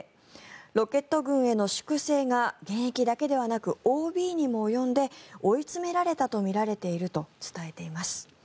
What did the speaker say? ロケット軍への粛清が現役だけではなくＯＢにも及んで追い詰められたとみられていると伝えています。